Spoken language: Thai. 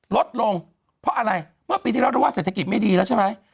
ลดลงเพราะอะไรเมื่อปีที่แล้วเราว่าเศรษฐกิจไม่ดีแล้วใช่ไหม